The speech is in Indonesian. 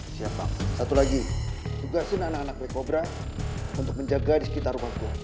siap satu lagi tugasin anak anak black cobra untuk menjaga di sekitar